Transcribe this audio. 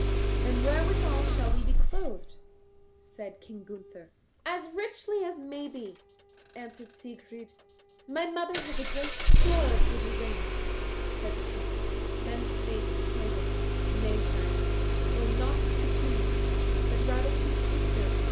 "And wherewithal shall we be clothed?" said King Gunther. "As richly as maybe," answered Siegfried. "My mother has a great store of goodly raiment," said the King. Then spake Hagen, "Nay, sire, go not to the Queen, but rather to your sister.